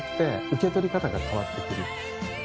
受け取り方が変わって来る。